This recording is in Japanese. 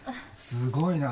すごいな。